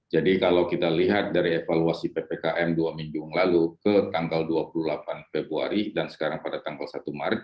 jadi kalau kita lihat dari evaluasi ppkm dua minggu lalu ke tanggal dua puluh delapan februari dan sekarang pada tanggal satu maret